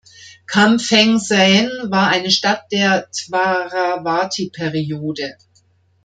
Kamphaeng Saen war eine Stadt der Dvaravati-Periode.